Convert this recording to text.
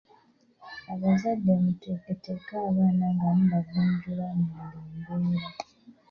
Abazadde muteeketeeke abaana nga mubagunjula mu buli mbeera.